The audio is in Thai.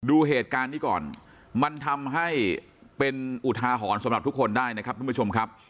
ดูเหตุการณ์นี้ก่อนมันทำให้เป็นอุทาหรณ์สำหรับทุกคนได้นะครับทุกผู้ชมครับ